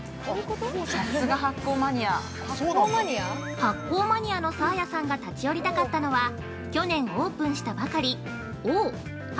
◆発酵マニアのサーヤさんが立ち寄りたかったのは去年オープンしたばかり「ＯＨ！！！